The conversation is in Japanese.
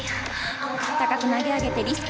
高く投げ上げてリスク。